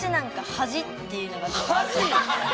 恥！？